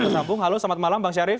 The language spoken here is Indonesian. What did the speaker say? tersambung halo selamat malam bang syarif